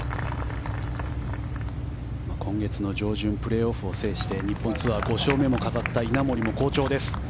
今月の上旬、プレーオフを制して日本ツアー５勝目も飾った稲森も好調です。